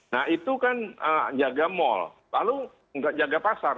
nah itu kan jaga mall lalu jaga pasar